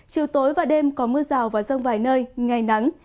chiều tối và đêm có mưa rào và rông vài nơi ngày nắng